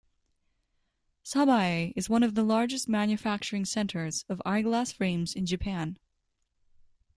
Sabae is one of the largest manufacturing centers of eyeglass frames in Japan.